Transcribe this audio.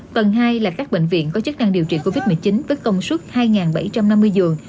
tầng hai là các bệnh viện có chức năng điều trị covid một mươi chín với công suất hai bảy trăm năm mươi giường